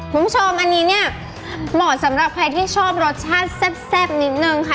คุณผู้ชมอันนี้เนี่ยเหมาะสำหรับใครที่ชอบรสชาติแซ่บนิดนึงค่ะ